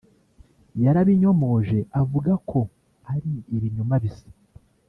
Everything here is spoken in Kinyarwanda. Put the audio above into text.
yarabinyomoje avuga ko ari ibinyoma bisa